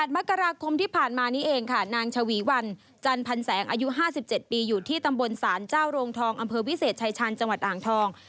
มกราคมที่ผ่านมานี้เองค่ะนางชวีวันจันพันแสงอายุ๕๗ปีอยู่ที่ตำบลศาลเจ้าโรงทองอำเภอวิเศษชายชาญจังหวัดอ่างทอง